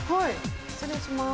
失礼します。